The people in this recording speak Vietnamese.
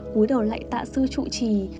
cuối đầu lại tạ sư trụ trì